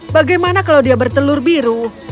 bagaimana kalau dia bertelur biru